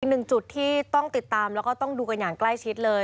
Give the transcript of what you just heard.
อีกหนึ่งจุดที่ต้องติดตามแล้วก็ต้องดูกันอย่างใกล้ชิดเลย